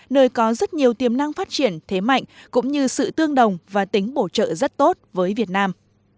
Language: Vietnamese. nơi có rất nhiều tiềm năng phát triển thế mạnh cũng như sự tương đồng và tính bổ trợ rất tốt với việt nam